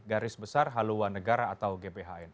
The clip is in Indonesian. garis besar haluan negara atau gbhn